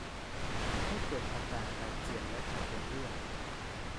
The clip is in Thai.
ทำให้เกิดอาการอาเจียนและถ่ายเป็นเลือด